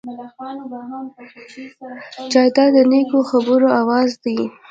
جانداد د نیکو خبرو آواز دی.